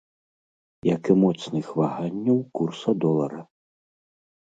Як і моцных ваганняў курса долара.